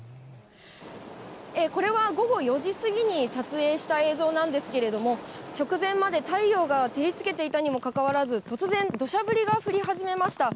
これは午後４時過ぎに撮影した映像なんですけれども、直前まで、太陽が照りつけていたにもかかわらず、突然、どしゃ降りが降り始めました。